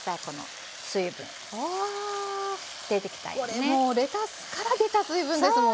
これもうレタスから出た水分ですもんね。